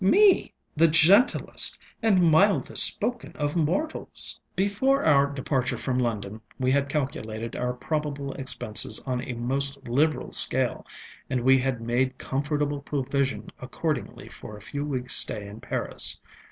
me, the gentlest and mildest spoken of mortals! ŌĆ£Before our departure from London we had calculated our probable expenses on a most liberal scale, and we had made comfortable provision accordingly for a few weeksŌĆÖ stay in Paris.